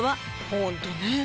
「ホントね。